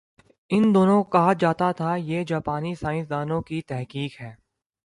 ان دنوں کہا جاتا تھا کہ یہ جاپانی سائنس دانوں کی تحقیق ہے۔